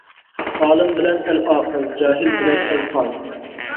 ئالىم بىلەن ئەل ئاقىل، جاھىل بىلەن ئەل خار.